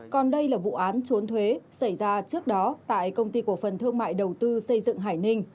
còn đây là vụ án trốn thuế xảy ra trước đó tại công ty cổ phần thương mại đầu tư xây dựng hải ninh